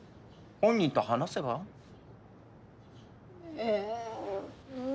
本人と話せば？え？んん。